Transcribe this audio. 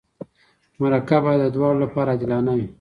مرکه باید د دواړو لپاره عادلانه وي.